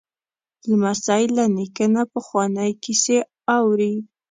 لمسی له نیکه نه پخوانۍ کیسې اوري.